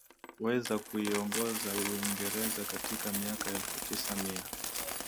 weza kuiongoza uingereza katika miaka elfu tisa mia